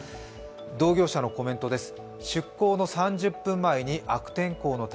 同業者のコメントです。